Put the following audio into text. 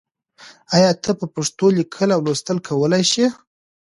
آیا ته په پښتو لیکل او لوستل کولای شې؟